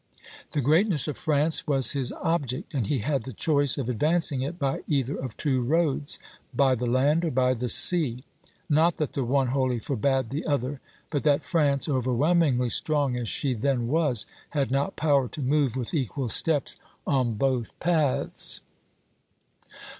The greatness of France was his object, and he had the choice of advancing it by either of two roads, by the land or by the sea; not that the one wholly forbade the other, but that France, overwhelmingly strong as she then was, had not power to move with equal steps on both paths.